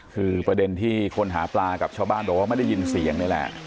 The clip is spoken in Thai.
คือประเด็นที่คนหาปลากับชาวบ้านบอกว่าไม่ได้ยินเสียงนี่แหละ